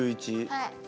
はい！